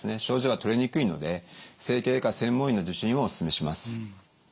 症状は取れにくいので整形外科専門医の受診をお勧めします。